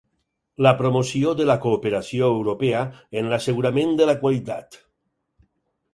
La promoció de la cooperació europea en l'assegurament de la qualitat